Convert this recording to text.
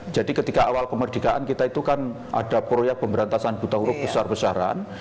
jadi ketika awal pemerdikaan kita itu kan ada proyek pemberantasan buta huruf besar besaran